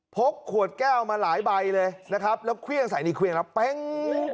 กขวดแก้วมาหลายใบเลยนะครับแล้วเครื่องใส่ในเครื่องแล้วเป๊ง